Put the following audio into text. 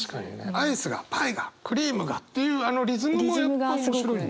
「アイスが、パイが、クリームが」っていうあのリズムも面白いんだ？